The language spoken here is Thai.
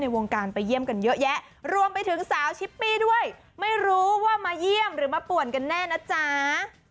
วงการไปเยี่ยมกันเยอะแยะรวมไปถึงสาวชิปปี้ด้วยไม่รู้ว่ามาเยี่ยมหรือมาป่วนกันแน่นะจ๊ะ